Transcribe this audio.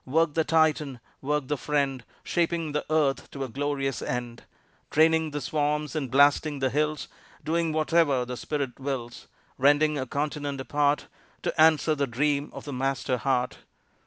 Work, the Titan; Work, the friend, Shaping the earth to a glorious end, Draining the swamps and blasting the hills, Doing whatever the Spirit wills Rending a continent apart, To answer the dream of the Master heart.